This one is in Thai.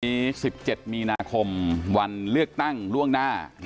๑๗มีนาคมวันเลือกตั้งล่วงหน้า